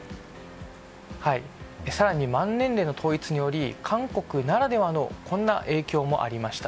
更に満年齢の統一により韓国ならではのこんな影響もありました。